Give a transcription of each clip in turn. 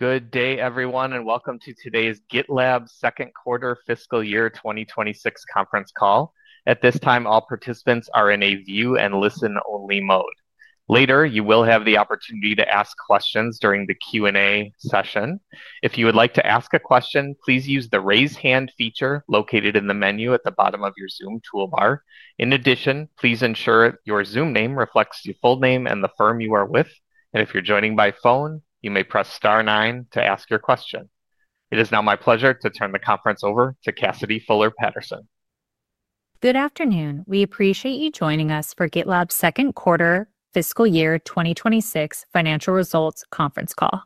Good day, everyone, and welcome to today's GitLab second quarter fiscal '20 twenty '6 conference call. At this time, all participants are in a view and listen only mode. Later, you will have the opportunity to ask questions during the q and a session. If you would like to ask a question, please use the raise hand feature located in the menu at the bottom of your Zoom toolbar. In addition, please ensure your Zoom name reflects your full name and the firm you are with. And if you're joining by phone, you may press 9 to ask your question. It is now my pleasure to turn the conference over to Cassidy Fuller Patterson. Good afternoon. We appreciate you joining us for GitLab's second quarter fiscal year twenty twenty six financial results conference call.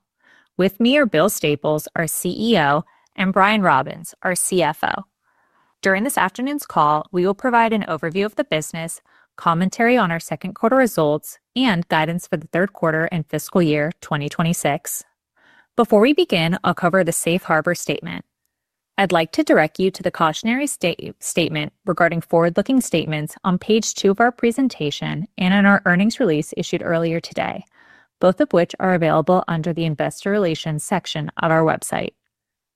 With me are Bill Staples, our CEO, and Brian Robbins, our CFO. During this afternoon's call, we will provide an overview of the business, commentary on our second quarter results, and guidance for the third quarter and fiscal year twenty twenty six. Before we begin, I'll cover the safe harbor statement. I'd like to direct you to the cautionary state statement regarding forward looking statements on page two of our presentation and in our earnings release issued earlier today, both of which are available under the Investor Relations section of our website.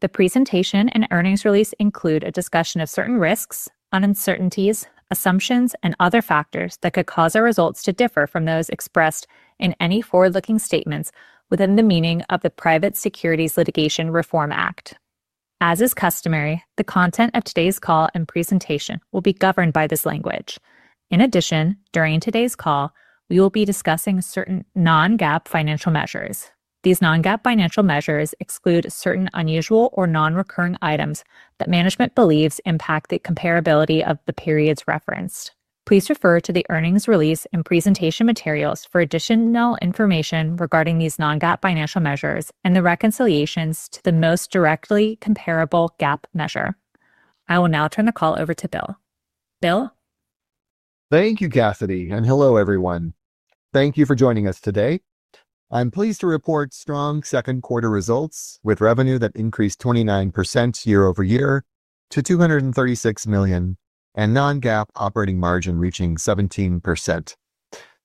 The presentation and earnings release include a discussion of certain risks, uncertainties, assumptions, and other factors that could cause our results to differ from those expressed in any forward looking statements within the meaning of the Private Securities Litigation Reform Act. As is customary, the content of today's call and presentation will be governed by this language. In addition, during today's call, we will be discussing certain non GAAP financial measures. These non GAAP financial measures exclude certain unusual or nonrecurring items that management believes impact the comparability of the periods referenced. Please refer to the earnings release and presentation materials for additional information regarding these non GAAP financial measures and the reconciliations to the most directly comparable GAAP measure. I will now turn the call over to Bill. Bill? Thank you, Cassidy, and hello, everyone. Thank you for joining us today. I'm pleased to report strong second quarter results with revenue that increased 29% year over year to 236,000,000 and non GAAP operating margin reaching 17%.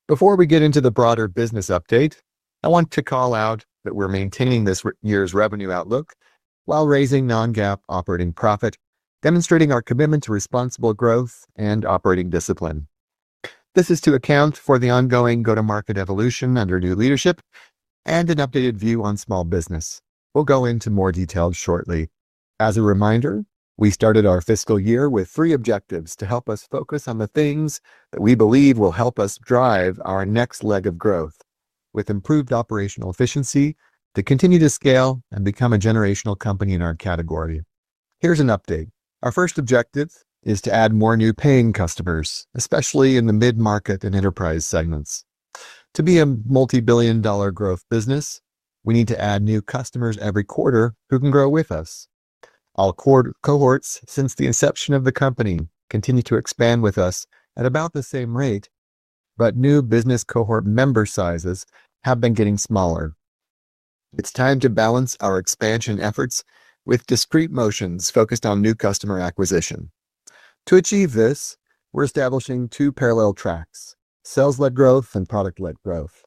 Before we get into the broader business update, I want to call out that we're maintaining this year's revenue outlook while raising non GAAP operating profit, demonstrating our commitment to responsible growth and operating discipline. This is to account for the ongoing go to market evolution under new leadership, and an updated view on small business. We'll go into more details shortly. As a reminder, we started our fiscal year with three objectives to help us focus on the things that we believe will help us drive our next leg of growth. With improved operational efficiency, to continue to scale and become a generational company in our category. Here's an update. Our first objective is to add more new paying customers, especially in the mid market and enterprise segments. To be a multi billion dollar growth business, we need to add new customers every quarter who can grow with us. All core cohorts since the inception of the company continue to expand with us at about the same rate, but new business cohort member sizes have been getting smaller. It's time to balance our expansion efforts with discrete motions focused on new customer acquisition. To achieve this, we're establishing two parallel tracks, sales led growth and product led growth.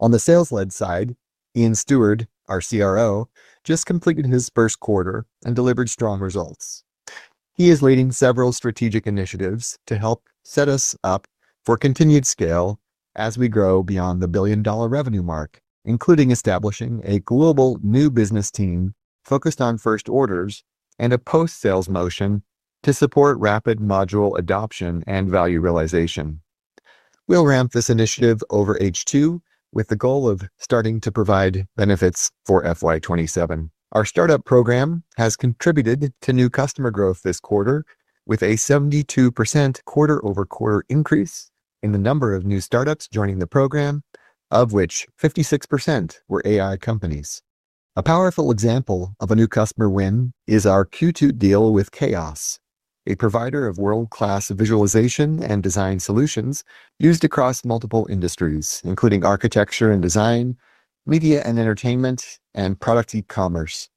On the sales led side, Ian Stewart, our CRO, just completed his first quarter and delivered strong results. He is leading several strategic initiatives to help set us up for continued scale as we grow beyond the billion dollar revenue mark, including establishing a global new business team focused on first orders and a post sales motion to support rapid module adoption and value realization. We'll ramp this initiative over h two with the goal of starting to provide benefits for f y twenty seven. Our startup program has contributed to new customer growth this quarter with a 72% quarter over quarter increase in the number of new startups joining the program, of which 56% were AI companies. A powerful example of a new customer win is our q two deal with Chaos, a provider of world class visualization and design solutions used across multiple industries, including architecture and design, media and entertainment, and product e commerce.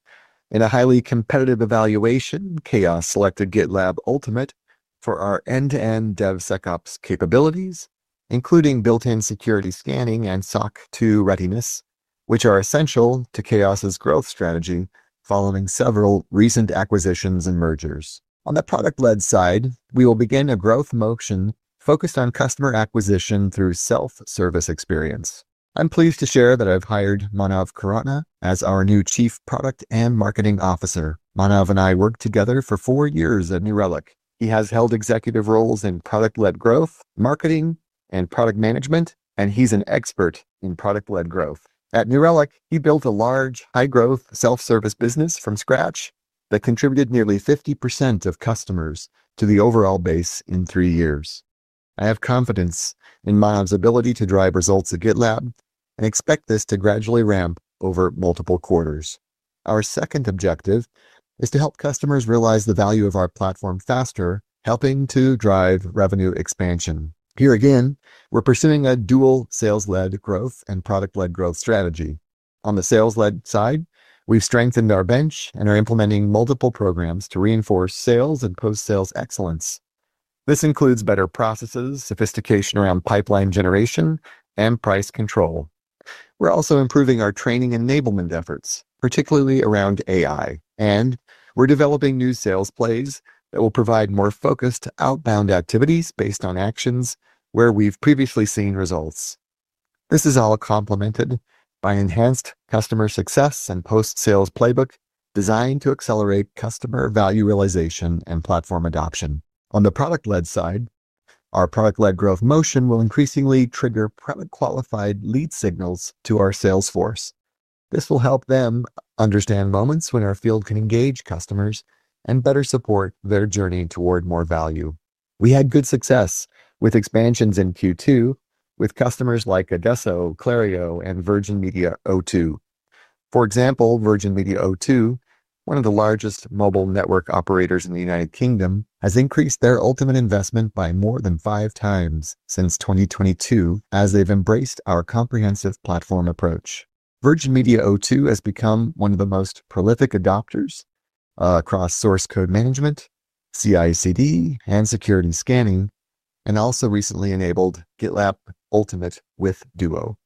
In a highly competitive evaluation, Chaos selected GitLab Ultimate for our end to end DevSecOps capabilities, including built in security scanning and SOC two readiness, which are essential to Chaos' growth strategy following several recent acquisitions and mergers. On the product led side, we will begin a growth motion focused on customer acquisition through self-service experience. I'm pleased to share that I've hired Manav Khuratna as our new chief product and marketing officer. Manav and I worked together for four years at New Relic. He has held executive roles in product led growth, marketing, and product management, and he's an expert in product led growth. At New Relic, he built a large, high growth, self-service business from scratch that contributed nearly 50% of customers to the overall base in three years. I have confidence in my ability to drive results at GitLab and expect this to gradually ramp over multiple quarters. Our second objective is to help customers realize the value of our platform faster, helping to drive revenue expansion. Here again, we're pursuing a dual sales led growth and product led growth strategy. On the sales led side, we've strengthened our bench and are implementing multiple programs to reinforce sales and post sales excellence. This includes better processes, sophistication around pipeline generation, and price control. We're also improving our training enablement efforts, particularly around AI. And we're developing new sales plays that will provide more focused outbound activities based on actions where we've previously seen results. This is all complemented by enhanced customer success and post sales playbook designed to accelerate customer value realization and platform adoption. On the product led side, our product led growth motion will increasingly trigger private qualified lead signals to our sales force. This will help them understand moments when our field can engage customers and better support their journey toward more value. We had good success with expansions in q two with customers like Adesto, Clario, and Virgin Media o two. For example, Virgin Media o two, one of the largest mobile network operators in The United Kingdom, has increased their ultimate investment by more than five times since 2022 as they've embraced our comprehensive platform approach. Virgin Media o two has become one of the most prolific adopters across source code management, CICD, and security scanning, and also recently enabled GitLab Ultimate with Duo.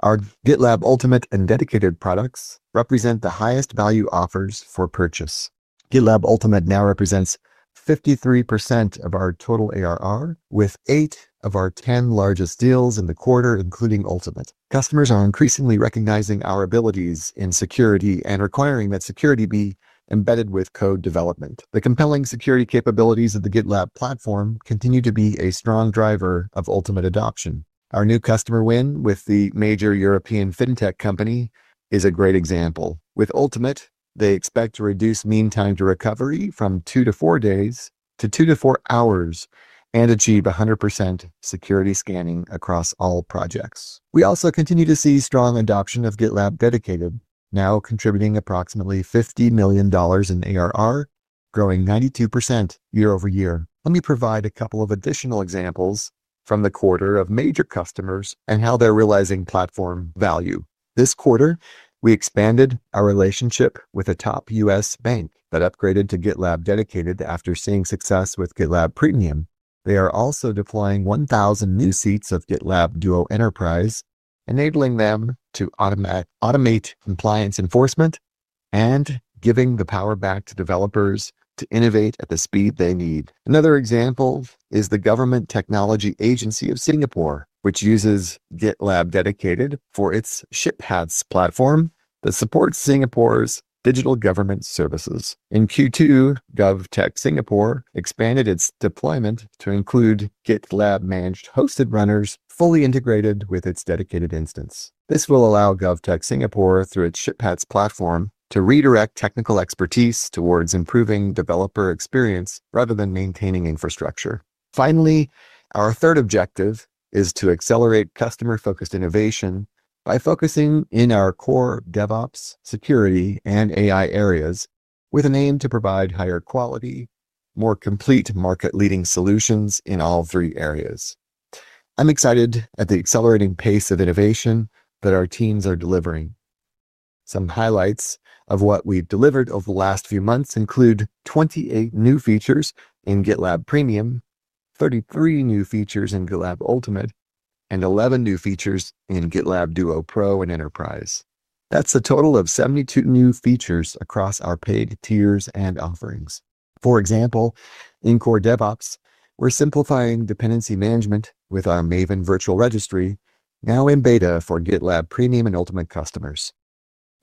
Our GitLab Ultimate and dedicated products represent the highest value offers for purchase. GitLab Ultimate now represents 53% of our total ARR, with eight of our 10 largest deals in the quarter, including Ultimate. Customers are increasingly recognizing our abilities in security and requiring that security be embedded with code development. The compelling security capabilities of the GitLab platform continue to be a strong driver of ultimate adoption. Our new customer win with the major European fintech company is a great example. With ultimate, they expect to reduce mean time to recovery from two to four days to two to four hours and achieve a 100% security scanning across all projects. We also continue to see strong adoption of GitLab dedicated, now contributing approximately $50,000,000 in ARR, growing 92% year over year. Let me provide a couple of additional examples from the quarter of major customers and how they're realizing platform value. This quarter, we expanded our relationship with a top US bank that upgraded to GitLab dedicated after seeing success with GitLab premium. They are also deploying 1,000 new seats of GitLab Duo Enterprise, enabling them to automate automate compliance enforcement, and giving the power back to developers to innovate at the speed they need. Another example is the Government Technology Agency of Singapore, which uses GitLab dedicated for its ShipHats platform that supports Singapore's digital government services. In q two, GovTech Singapore expanded its deployment to include GitLab managed hosted runners fully integrated with its dedicated instance. This will allow Govtech Singapore through its ShipHats platform to redirect technical expertise towards improving developer experience, rather than maintaining infrastructure. Finally, our third objective is to accelerate customer focused innovation by focusing in our core DevOps, security, and AI areas, with an aim to provide higher quality, more complete market leading solutions in all three areas. I'm excited at the accelerating pace of innovation that our teams are delivering. Some highlights of what we've delivered over the last few months include 28 new features in GitLab premium, 33 new features in GitLab ultimate, and 11 new features in GitLab Duo Pro and Enterprise. That's a total of 72 new features across our paid tiers and offerings. For example, in core DevOps, we're simplifying dependency management with our Maven virtual registry, now in beta for GitLab premium and ultimate customers.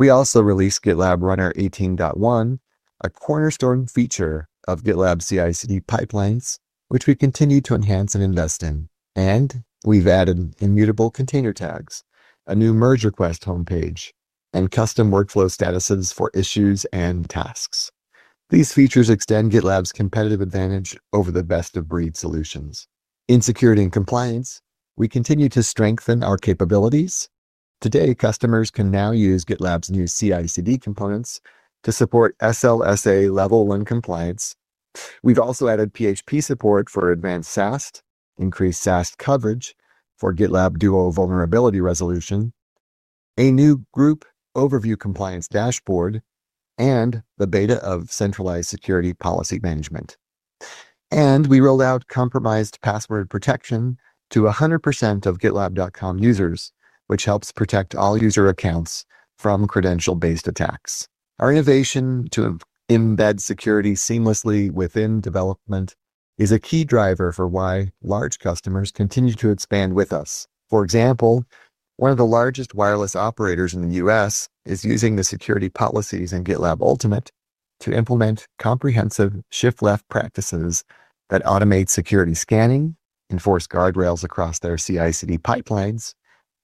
We also released GitLab runner 18 dot one, a cornerstone feature of GitLab CICD pipelines, which we continue to enhance and invest in. And we've added immutable container tags, a new merge request homepage, and custom workflow statuses for issues and tasks. These features extend GitLab's competitive advantage over the best of breed solutions. In security and compliance, we continue to strengthen our capabilities. Today, customers can now use GitLab's new CICD components to support SLSA level one compliance. We've also added PHP support for advanced SaaS, increased SaaS coverage for GitLab Duo Vulnerability Resolution, a new group overview compliance dashboard, and the beta of centralized security policy management. And we rolled out compromised password protection to a 100% of gitlab.com users, which helps protect all user accounts from credential based attacks. Our innovation to embed security seamlessly within development is a key driver for why large customers continue to expand with us. For example, one of the largest wireless operators in The US is using the security policies in GitLab Ultimate to implement comprehensive shift left practices that automate security scanning, enforce guardrails across their CICD pipelines,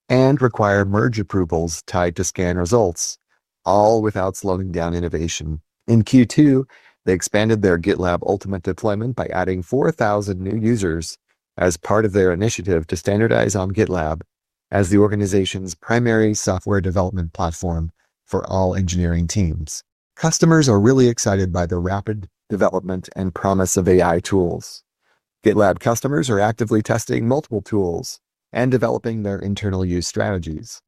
and require merge approvals tied to scan results, all without slowing down innovation. In q two, they expanded their GitLab ultimate deployment by adding 4,000 new users as part of their initiative to standardize on GitLab as the organization's primary software development platform for all engineering teams. Customers are really excited by the rapid development and promise of AI tools. GitLab customers are actively testing multiple tools and developing their internal use strategies.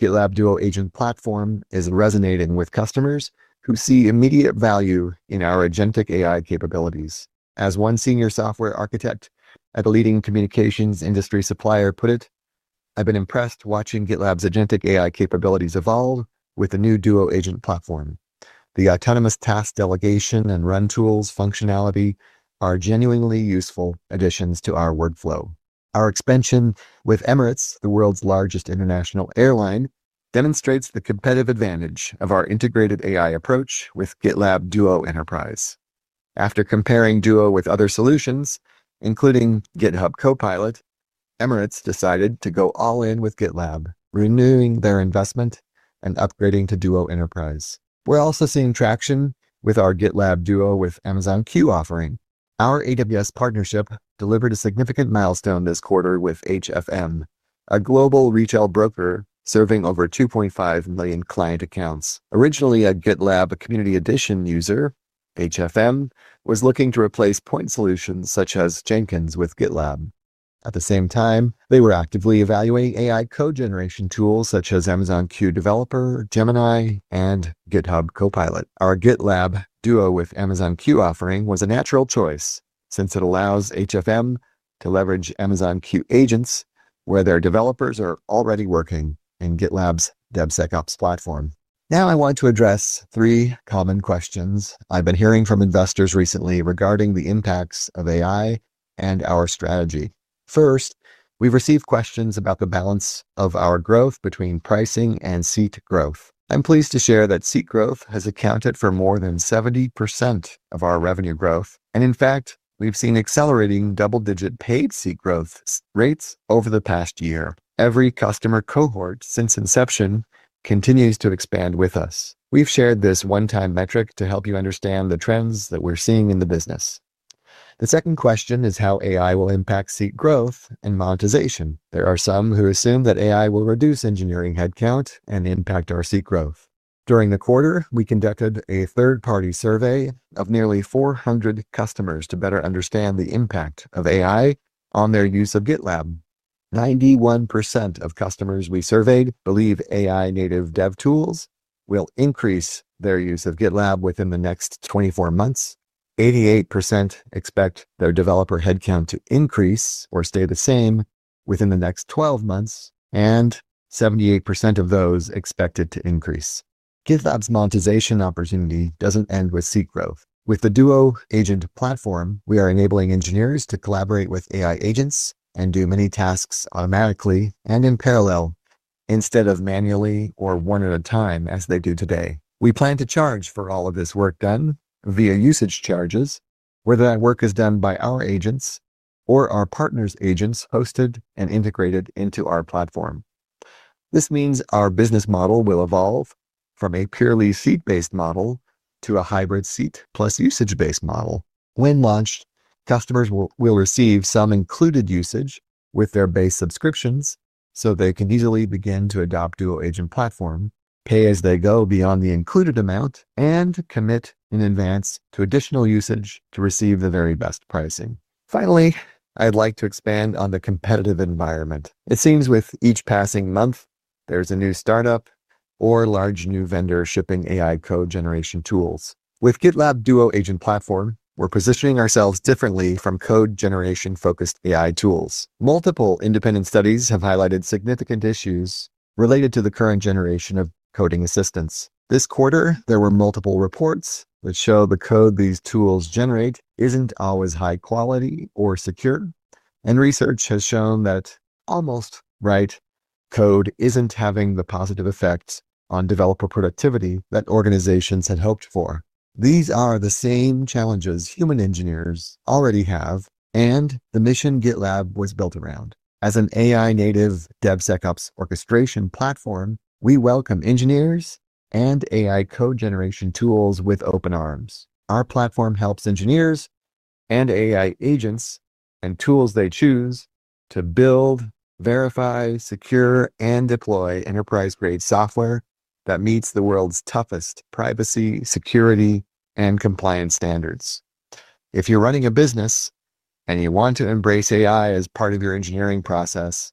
GitLab Duo Agent platform is resonating with customers who see immediate value in our AgenTik AI capabilities. As one senior software architect at a leading communications industry supplier put it, I've been impressed watching GitLab's agentic AI capabilities evolve with the new Duo agent platform. The autonomous task delegation and run tools functionality are genuinely useful additions to our workflow. Our expansion with Emirates, the world's largest international airline, demonstrates the competitive advantage of our integrated AI approach with GitLab Duo Enterprise. After comparing Duo with other solutions, including GitHub Copilot, Emirates decided to go all in with GitLab, renewing their investment and upgrading to Duo Enterprise. We're also seeing traction with our GitLab Duo with Amazon Q offering. Our AWS partnership delivered a significant milestone this quarter with HFM, a global retail broker serving over 2,500,000 client accounts. Originally, a GitLab community edition user, HFM was looking to replace point solutions such as Jenkins with GitLab. At the same time, they were actively evaluating AI code generation tools such as Amazon Q Developer, Gemini, and GitHub Copilot. Our GitLab Duo with Amazon Q offering was a natural choice since it allows HFM to leverage Amazon Q agents where their developers are already working in GitLab's DevSecOps platform. Now I want to address three common questions I've been hearing from investors recently regarding the impacts of AI and our strategy. First, we've received questions about the balance of our growth between pricing and seat growth. I'm pleased to share that seat growth has accounted for more than 70% of our revenue growth. And in fact, we've seen accelerating double digit paid seat growth rates over the past year. Every customer cohort since inception continues to expand with us. We've shared this one time metric to help you understand the trends that we're seeing in the business. The second question is how AI will impact seat growth and monetization. There are some who assume that AI will reduce engineering headcount and impact our seat growth. During the quarter, we conducted a third party survey of nearly 400 customers to better understand the impact of AI on their use of GitLab. 91% of customers we surveyed believe AI native dev tools will increase their use of GitLab within the next twenty four months. 88% expect their developer headcount to increase or stay the same within the next twelve months, and 78% of those expect it to increase. GitLab's monetization opportunity doesn't end with SeatGrowth. With the Duo agent platform, we are enabling engineers to collaborate with AI agents and do many tasks automatically and in parallel instead of manually or one at a time as they do today. We plan to charge for all of this work done via usage charges, whether that work is done by our agents or our partner's agents hosted and integrated into our platform. This means our business model will evolve from a purely seat based model to a hybrid seat plus usage based model. When launched, customers will will receive some included usage with their base subscriptions, so they can easily begin to adopt Duo Agent platform, pay as they go beyond the included amount, and commit in advance to additional usage to receive the very best pricing. Finally, I'd like to expand on the competitive environment. It seems with each passing month, there's a new startup, or large new vendor shipping AI code generation tools. With GitLab Duo Agent Platform, we're positioning ourselves differently from code generation focused AI tools. Multiple independent studies have highlighted significant issues related to the current generation of coding assistance. This quarter, there were multiple reports that show the code these tools generate isn't always high quality or secure. And research has shown that, almost right, code isn't having the positive effects on developer productivity that organizations had hoped for. These are the same challenges human engineers already have and the mission GitLab was built around. As an AI native DevSecOps orchestration platform, we welcome engineers and AI code generation tools with open arms. Our platform helps engineers and AI agents and tools they choose to build, verify, secure, and deploy enterprise grade software that meets the world's toughest privacy, security, and compliance standards. If you're running a business and you want to embrace AI as part of your engineering process,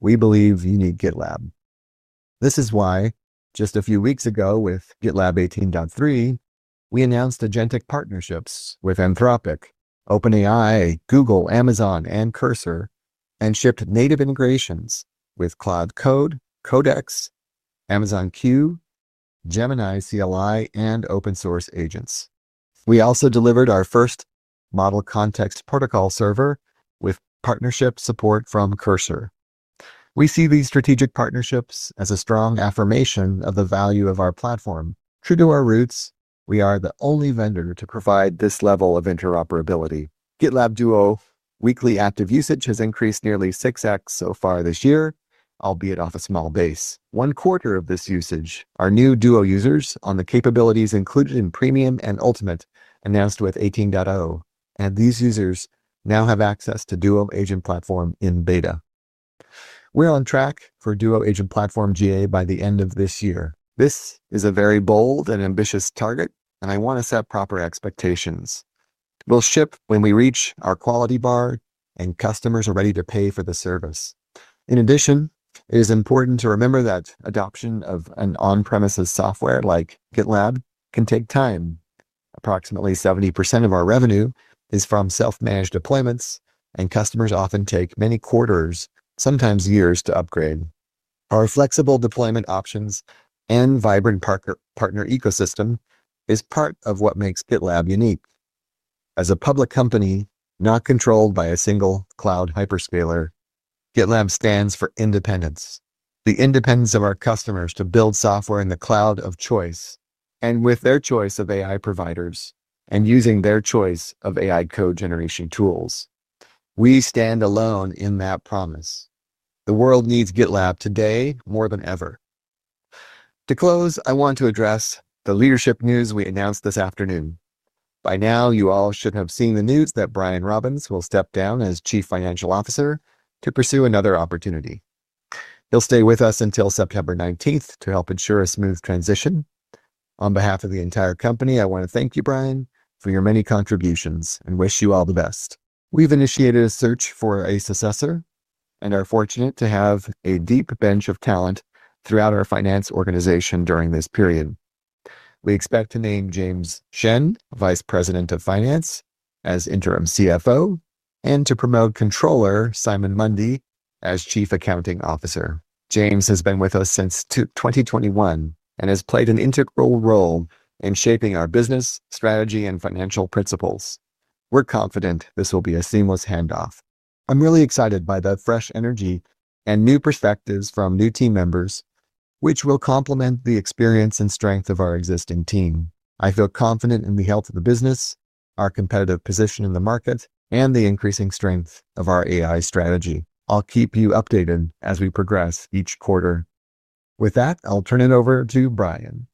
we believe you need GitLab. This is why, just a few weeks ago with GitLab eighteen dot three, we announced AgenTic partnerships with Anthropic, OpenAI, Google, Amazon, and Cursor, and shipped native integrations with Cloud Code, Codecs, Amazon Q, Gemini CLI, and open source agents. We also delivered our first model context protocol server with partnership support from Cursor. We see these strategic partnerships as a strong affirmation of the value of our platform. True to our roots, we are the only vendor to provide this level of interoperability. GitLab Duo weekly active usage has increased nearly six x so far this year, albeit off a small base. One quarter of this usage are new Duo users on the capabilities included in premium and ultimate, announced with eighteen dot o. And these users now have access to Duo Agent Platform in beta. We're on track for Duo Agent Platform GA by the end of this year. This is a very bold and ambitious target, and I wanna set proper expectations. We'll ship when we reach our quality bar, and customers are ready to pay for the service. In addition, it is important to remember that adoption of an on premises software like GitLab can take time. Approximately 70% of our revenue is from self managed deployments, and customers often take many quarters, sometimes years to upgrade. Our flexible deployment options and vibrant partner ecosystem is part of what makes GitLab unique. As a public company, not controlled by a single cloud hyperscaler, GitLab stands for independence. The independence of our customers to build software in the cloud of choice, and with their choice of AI providers, and using their choice of AI code generation tools. We stand alone in that promise. The world needs GitLab today more than ever. To close, I want to address the leadership news we announced this afternoon. By now, you all should have seen the news that Brian Robbins will step down as chief financial officer to pursue another opportunity. He'll stay with us until September 19 to help ensure a smooth transition. On behalf of the entire company, I wanna thank you, Brian, for your many contributions and wish you all the best. We've initiated a search for a successor and are fortunate to have a deep bench of talent throughout our finance organization during this period. We expect to name James Shen, vice president of finance, as interim CFO, and to promote controller, Simon Mundy, as chief accounting officer. James has been with us since 02/2021 and has played an integral role in shaping our business, strategy, and financial principles. We're confident this will be a seamless handoff. I'm really excited by the fresh energy and new perspectives from new team members, which will complement the experience and strength of our existing team. I feel confident in the health of the business, our competitive position in the market, and the increasing strength of our AI strategy. I'll keep you updated as we progress each quarter. With that, I'll turn it over to Brian.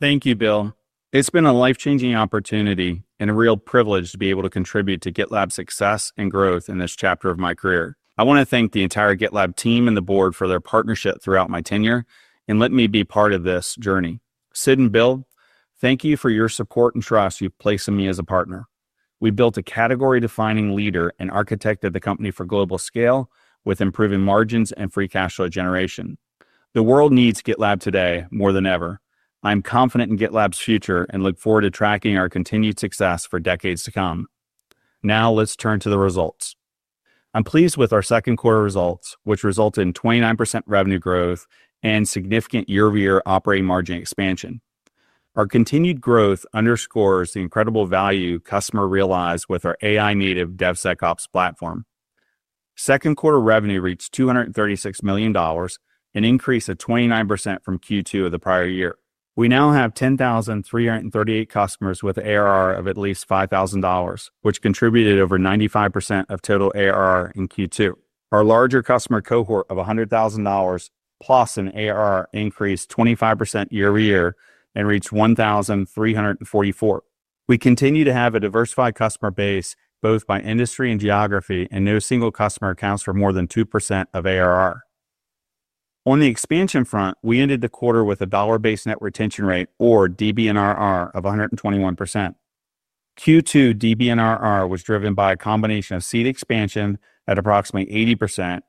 Thank you, Bill. It's been a life changing opportunity and a real privilege to be able to contribute to GitLab's success and growth in this chapter of my career. I wanna thank the entire GitLab team and the board for their partnership throughout my tenure and let me be part of this journey. Sid and Bill, thank you for your support and trust you place in me as a partner. We built a category defining leader and architected the company for global scale with improving margins and free cash flow generation. The world needs GitLab today more than ever. I'm confident in GitLab's future and look forward to tracking our continued success for decades to come. Now let's turn to the results. I'm pleased with our second quarter results, which resulted in 29% revenue growth and significant year over year operating margin expansion. Our continued growth underscores the incredible value customer realized with our AI native DevSecOps platform. Second quarter revenue reached $236,000,000, an increase of 29% from Q2 of the prior year. We now have 10,338 customers with ARR of at least $5,000 which contributed over 95% of total ARR in Q2. Our larger customer cohort of $100,000 plus an ARR increased 25% year over year and reached 1,344. We continue to have a diversified customer base both by industry and geography and no single customer accounts for more than 2% of ARR. On the expansion front, we ended the quarter with a dollar based net retention rate or DBNRR of a 121%. Q2 DBNRR was driven by a combination of seat expansion at approximately 80%,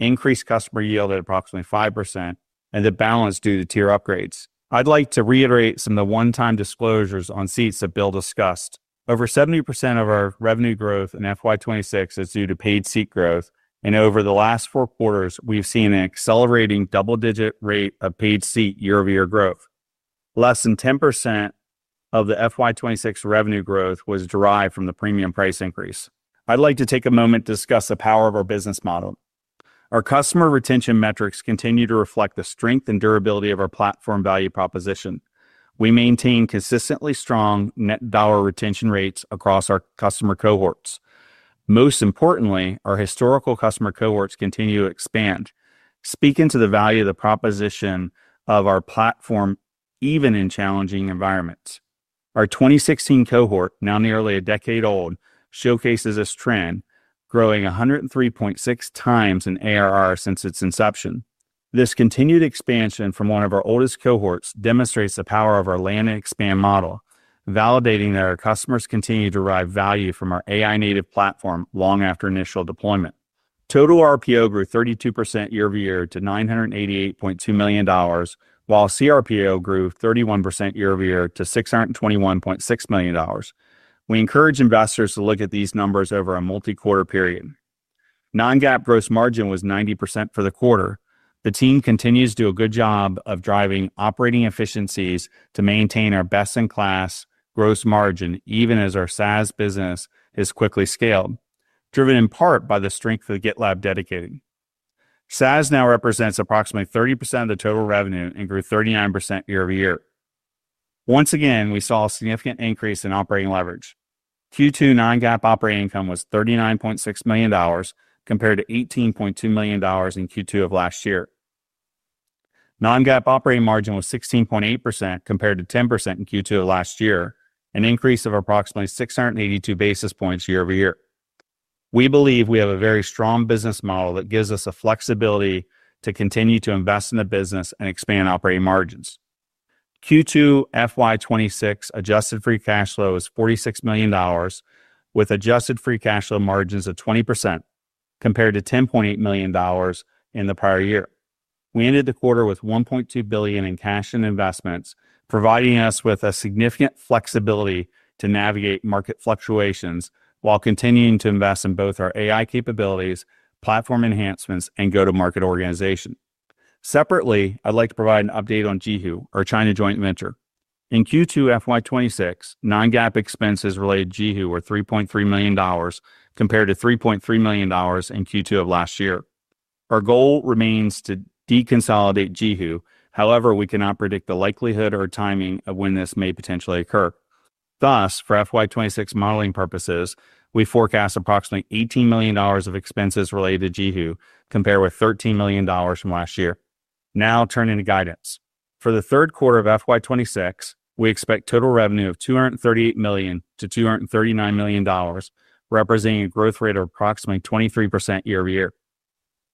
increased customer yield at approximately 5%, and the balance due to tier upgrades. I'd like to reiterate some of the onetime disclosures on seats that Bill discussed. Over 70% of our revenue growth in f y twenty six is due to paid seat growth. And over the last four quarters, we've seen an accelerating double digit rate of paid seat year over year growth. Less than 10% of the f y twenty six revenue growth was derived from the premium price increase. I'd like to take a moment to discuss the power of our business model. Our customer retention metrics continue to reflect the strength and durability of our platform value proposition. We maintain consistently strong net dollar retention rates across our customer cohorts. Most importantly, our historical customer cohorts continue to expand, speaking to the value of the proposition of our platform even in challenging environments. Our 2016 cohort, now nearly a decade old, showcases this trend, growing a 103.6 times in ARR since its inception. This continued expansion from one of our oldest cohorts demonstrates the power of our land and expand model, validating that our customers continue to derive value from our AI native platform long after initial deployment. Total RPO grew 32% year over year to $988,200,000, while CRPO grew 31% year over year to $621,600,000. We encourage investors to look at these numbers over a multi quarter period. Non GAAP gross margin was 90% for the quarter. The team continues to do a good job of driving operating efficiencies to maintain our best in class gross margin even as our SaaS business is quickly scaled, driven in part by the strength of GitLab dedicated. SaaS now represents approximately 30 of the total revenue and grew 39% year over year. Once again, we saw a significant increase in operating leverage. Q2 non GAAP operating income was $39,600,000 compared to $18,200,000 in Q2 of last year. Non GAAP operating margin was 16.8% compared to 10% in Q2 of last year, an increase of approximately six eighty two basis points year over year. We believe we have a very strong business model that gives us a flexibility to continue to invest in the business and expand operating margins. Q2 FY twenty twenty six adjusted free cash flow was $46,000,000 with adjusted free cash flow margins of 20% compared to $10,800,000 in the prior year. We ended the quarter with $1,200,000,000 in cash and investments, providing us with a significant flexibility to navigate market fluctuations while continuing to invest in both our AI capabilities, platform enhancements, and go to market organization. Separately, I'd like to provide an update on Jihu, our China joint venture. In q two f y twenty six, non GAAP expenses related to Jihu were $3,300,000 compared to $3,300,000 in q two of last year. Our goal remains to deconsolidate Jihu. However, we cannot predict the likelihood or timing of when this may potentially occur. Thus, for FY twenty six modeling purposes, we forecast approximately $18,000,000 of expenses related to Jehu compared with $13,000,000 from last year. Now turning to guidance. For the 2026, we expect total revenue of $238,000,000 to $239,000,000 representing a growth rate of approximately 23% year over year.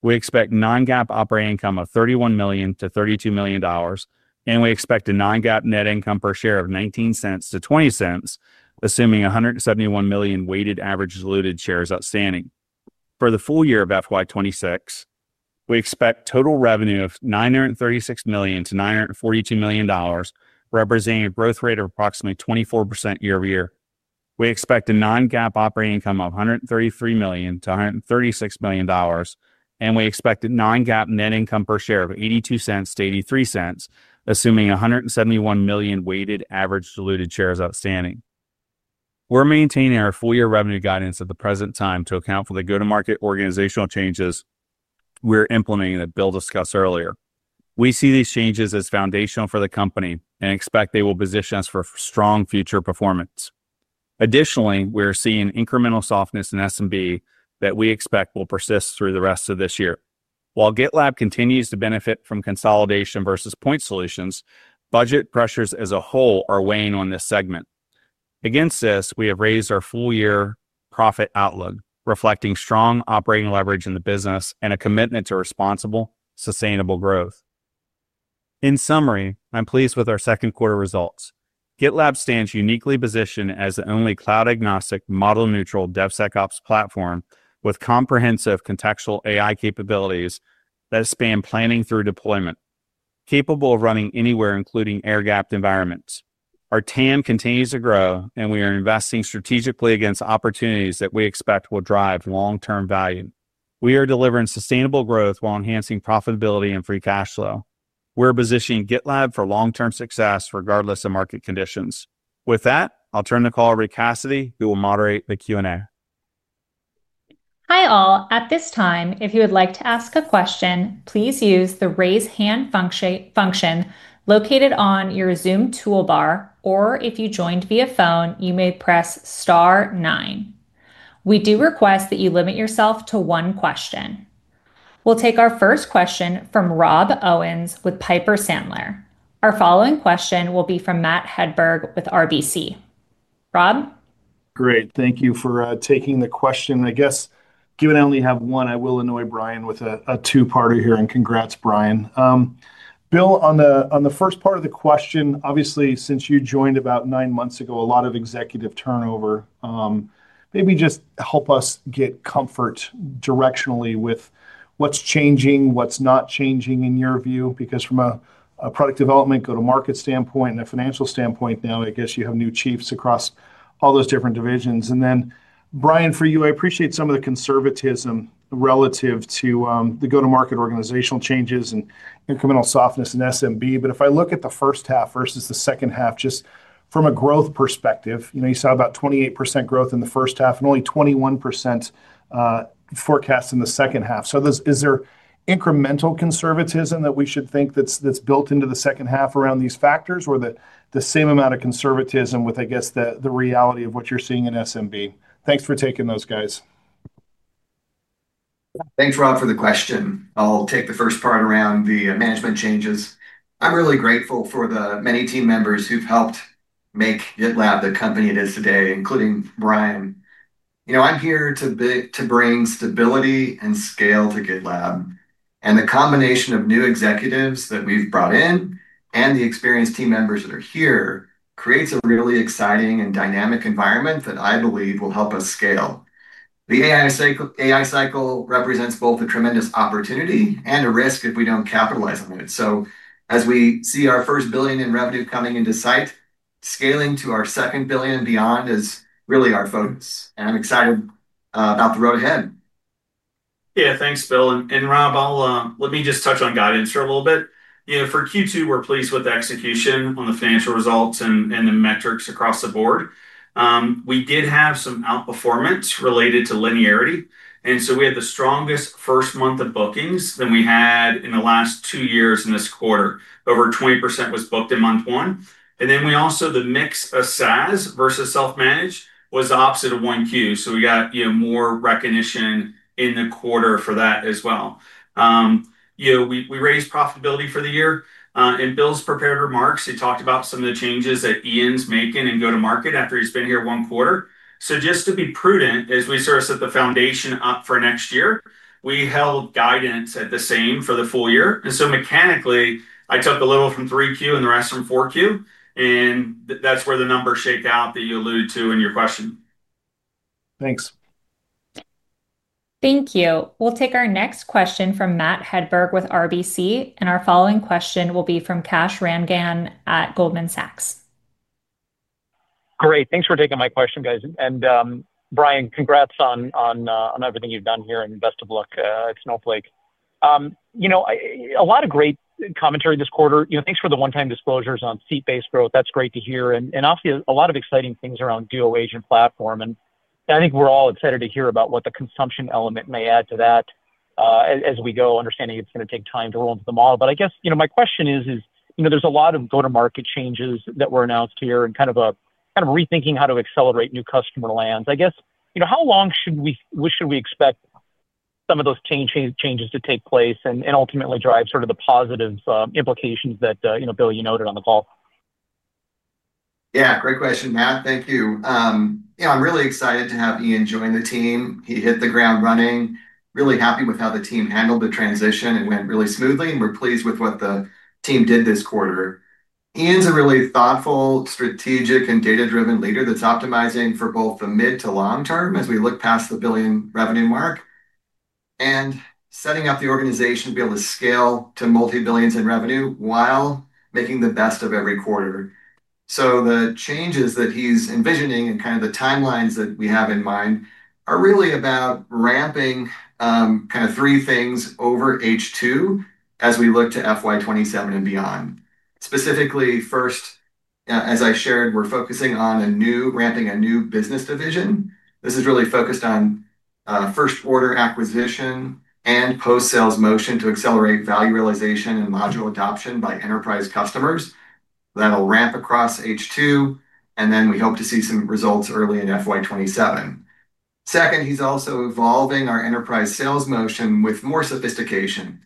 We expect non GAAP operating income of $31,000,000 to $32,000,000 and we expect a non GAAP net income per share of $0.19 to $0.20 assuming 171,000,000 weighted average diluted shares outstanding. For the full year of FY 2026, we expect total revenue of $936,000,000 to $942,000,000 representing a growth rate of approximately 24% year over year. We expect a non GAAP operating income of $133,000,000 to $136,000,000 and we expect a non GAAP net income per share of 82¢ to 83¢, assuming a 171,000,000 weighted average diluted shares outstanding. We're maintaining our full year revenue guidance at the present time to account for the go to market organizational changes we're implementing that Bill discussed earlier. We see these changes as foundational for the company and expect they will position us for strong future performance. Additionally, we're seeing incremental softness in SMB that we expect will persist through the rest of this year. While GitLab continues to benefit from consolidation versus point solutions, budget pressures as a whole are weighing on this segment. Against this, we have raised our full year profit outlook, reflecting strong operating leverage in the business and a commitment to responsible, sustainable growth. In summary, I'm pleased with our second quarter results. GitLab stands uniquely positioned as the only cloud agnostic model neutral DevSecOps platform with comprehensive contextual AI capabilities that span planning through deployment, capable of running anywhere including air gapped environments. Our TAM continues to grow, and we are investing strategically against opportunities that we expect will drive long term value. We are delivering sustainable growth while enhancing profitability and free cash flow. We're positioning GitLab for long term success regardless of market conditions. With that, I'll turn the call over to Cassidy who will moderate the q and a. Hi all. At this time, if you would like to ask a question, please use the raise hand function located on your Zoom toolbar or if you joined via phone, you may press 9. We do request that you limit yourself to one question. We'll take our first question from Rob Owens with Piper Sandler. Our following question will be from Matt Hedberg with RBC. Rob? Great. Thank you for, taking the question. I guess, given I only have one, will annoy Brian with a a two parter here, congrats, Brian. Bill, on the on the first part of the question, obviously, since you joined about nine months ago, a lot of executive turnover. Maybe just help us get comfort directionally with what's changing, what's not changing in your view because from a a product development, go to market standpoint, and a financial standpoint now, I guess, you have new chiefs across all those different divisions. And then, Brian, for you, I appreciate some of the conservatism relative to, the go to market organizational changes and incremental softness in SMB. But if I look at the first half versus the second half, just from a growth perspective, you know, you saw about 28% growth in the first half and only 21% forecast in the second half. So this is there incremental conservatism that we should think that's that's built into the second half around these factors or the the same amount of conservatism with, I guess, the the reality of what you're seeing in SMB? Thanks for taking those guys. Thanks, Rob, for the question. I'll take the first part around the management changes. I'm really grateful for the many team members who've helped make GitLab the company it is today, including Brian. You know, I'm here to to bring stability and scale to GitLab. And the combination of new executives that we've brought in and the experienced team members that are here creates a really exciting and dynamic environment that I believe will help us scale. The AI cycle AI cycle represents both a tremendous opportunity and a risk if we don't capitalize on it. So as we see our first billion in revenue coming into site, scaling to our second billion beyond is really our focus. And I'm excited about the road ahead. Yes. Thanks, Bill. And Rob, I'll let me just touch on guidance for a little bit. For q two, we're pleased with the execution on the financial results and the metrics across the board. We did have some outperformance related to linearity, and so we had the strongest first month of bookings than we had in the last two years in this quarter. Over 20% was booked in month one. And then we also the mix of SaaS versus self managed was the opposite of one q. So we got, you know, more recognition in the quarter for that as well. You know, we we raised profitability for the year. In Bill's prepared remarks, he talked about some of the changes that Ian's making in go to market after he's been here one quarter. So just to be prudent, as we sort of set the foundation up for next year, we held guidance at the same for the full year. And so, mechanically, I took a little from 3Q and the rest from 4Q, and that's where the number shaped out that you alluded to in your question. Thanks. Thank you. We'll take our next question from Matt Hedberg with RBC. And our following question will be from Kash Rangan at Goldman Sachs. Great. Thanks for taking my question, guys. And Brian, congrats on everything you've done here and best of luck at Snowflake. A lot of great commentary this quarter. Thanks for the one time disclosures on seat based growth. That's great to hear. And obviously, a lot of exciting things around Duo Agent platform. I think we're all excited to hear about what the consumption element may add to that as we go understanding it's going to take time to roll into the model. But I guess my question is, there's a lot of go to market changes that were announced here and kind of rethinking how to accelerate new customer lands. Guess how long we when should we expect some of those changes to take place and and ultimately drive sort of the positive implications that, Bill, you noted on the call? Yeah. Great question, Matt. Thank you. Yeah. I'm really excited to have Ian join the team. He hit the ground running. Really happy with how the team handled the transition. It went really smoothly, and we're pleased with what the team did this quarter. Ian's a really thoughtful, strategic, and data driven leader that's optimizing for both the mid to long term as we look past the billion revenue mark and setting up the organization to be able to scale to multi billions in revenue while making the best of every quarter. So the changes that he's envisioning and kind of the timelines that we have in mind are really about ramping, kind of three things over h two as we look to f y twenty seven and beyond. Specifically, first, as I shared, we're focusing on a new ramping a new business division. This is really focused on first order acquisition and post sales motion to accelerate value realization and module adoption by enterprise customers that will ramp across h 2, and then we hope to see some results early in f y twenty seven. Second, he's also evolving our enterprise sales motion with more sophistication.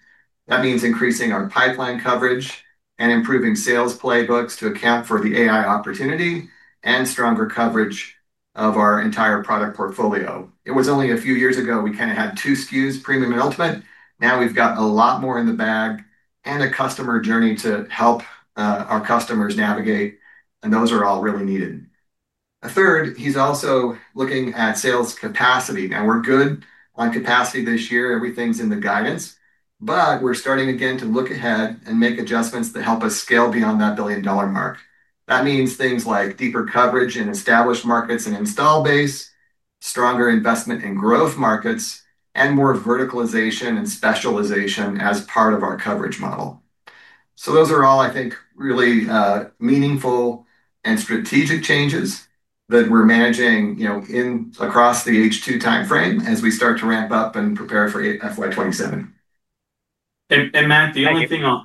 That means increasing our pipeline coverage and improving sales playbooks to account for the AI opportunity and stronger coverage of our entire product portfolio. It was only a few years ago we kinda had two skews, premium and ultimate. Now we've got a lot more in the bag and a customer journey to help, our customers navigate, and those are all really needed. Third, he's also looking at sales capacity. Now we're good on capacity this year. Everything's in the guidance, but we're starting again to look ahead and make adjustments to help us scale beyond that billion dollar mark. That means things like deeper coverage in established markets and installed base, stronger investment in growth markets, and more verticalization and specialization as part of our coverage model. So those are all, I think, really, meaningful and strategic changes that we're managing, you know, in across the h two time frame as we start to ramp up and prepare for FY '27. And and, Matt, the only thing I'll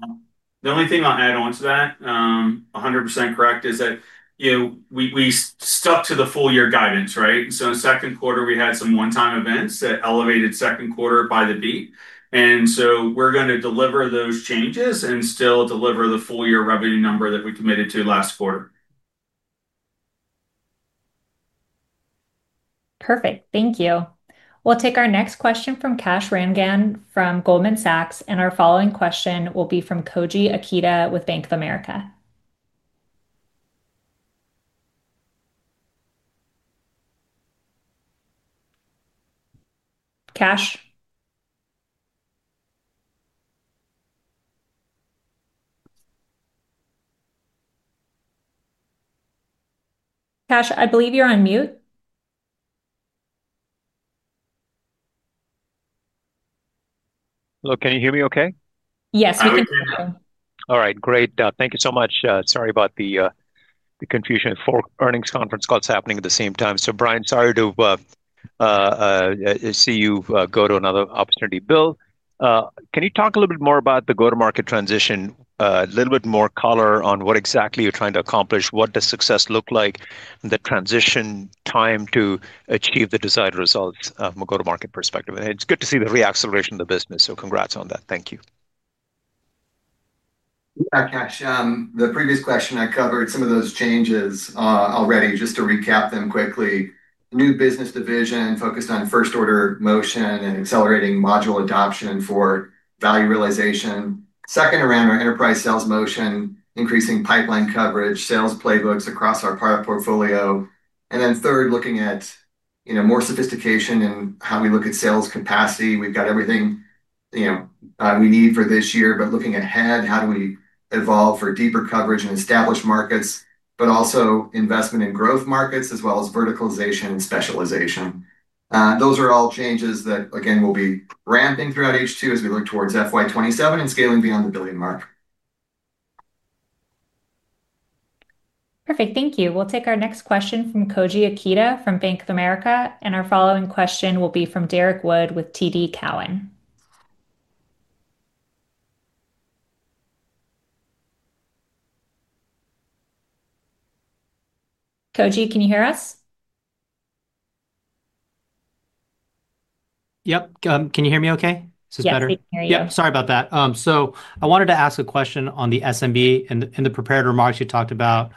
the only thing I'll add on to that, a 100% correct, is that, you know, we we stuck to the full year guidance. Right? So in second quarter, we had some onetime events that elevated second quarter by the beat. And so we're going to deliver those changes and still deliver the full year revenue number that we committed to last quarter. Perfect. Thank you. We'll take our next question from Kash Rangan from Goldman Sachs. And our following question will be from Koji Akita with Bank of America. Cash? Cash, I believe you're on mute. Hello. Can you hear me okay? Yes. We right. Great. Thank you so much. Sorry about the confusion. Four earnings conference calls happening at the same time. So Brian, sorry to see you go to another opportunity. Bill, can you talk a little bit more about the go to market transition? A little bit more color on what exactly you're trying to accomplish? What does success look like in the transition time to achieve the desired results from a go to market perspective. It's good to see the reacceleration of the business, so congrats on that. Thank you. Kash. The previous question, I covered some of those changes already just to recap them quickly. New business division focused on first order motion and accelerating module adoption for value realization. Second, around our enterprise sales motion, increasing pipeline coverage, sales playbooks across our product portfolio. And then third, looking at more sophistication and how we look at sales capacity. We've got everything we need for this year. But looking ahead, how do we evolve for deeper coverage in established markets, but also investment in growth markets as well as verticalization and specialization. Those are all changes that, again, will be ramping throughout H2 as we look towards FY 2027 and scaling beyond the $1,000,000,000 mark. Perfect. Thank you. We'll take our next question from Koji Ikeda from Bank of America. And our following question will be from Derrick Wood with TD Cowen. Koji, can you hear us? Yep. Can you hear me okay? Is this better? Hear you. Sorry about that. So I wanted to ask a question on the SMB. In the in the prepared remarks, you talked about